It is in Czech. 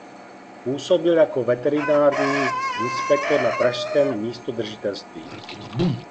Působil jako veterinární inspektor na pražském místodržitelství.